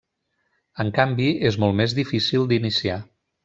En canvi, és molt més difícil d'iniciar.